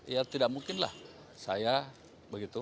ya tidak mungkinlah saya begitu